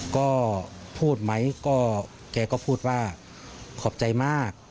ก็พูดไหมก็แกก็พูดว่าขอบใจมาก